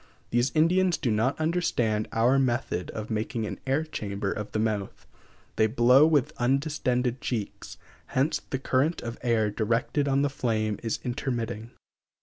These Indians do not understand our method of making an air chamber of the mouth; they blow with undistended cheeks, hence the current of air directed on the flame is intermitting.